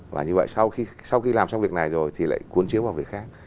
và như vậy sau khi làm xong việc này rồi thì lại cuốn chiếu vào việc khác